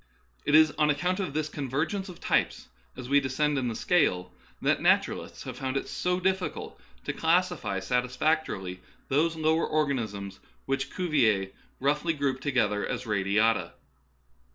It is on account of this convergence of types as we descend in the scale that naturalists have found it so difficult to clas sify satisfactorily those lower organisms which Cu vier roughly grouped together as radiata.